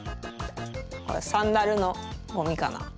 これサンダルのゴミかな。